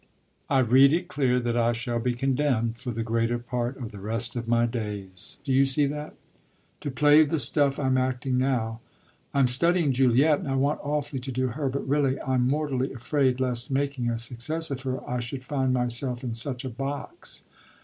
I read it clear that I shall be condemned for the greater part of the rest of my days do you see that? to play the stuff I'm acting now. I'm studying Juliet and I want awfully to do her, but really I'm mortally afraid lest, making a success of her, I should find myself in such a box.